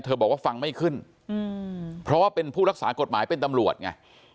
บอกว่าฟังไม่ขึ้นเพราะว่าเป็นผู้รักษากฎหมายเป็นตำรวจไง